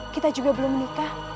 kita juga belum menikah